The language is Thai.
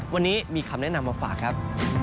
วันนี้มีคำแนะนำมาฝากครับ